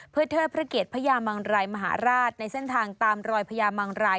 เพื่อเทิดพระเกียรติพระยามังรายมหาราชในเส้นทางตามรอยพญามังราย